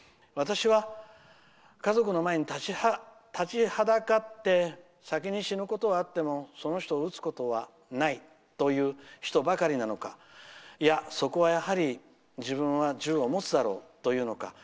私は家族の前に立ちはだかって先に死ぬことはあってもその人を撃つことはないという人ばかりなのかいや、そこはやはり自分は銃を持つだろうと言うのか。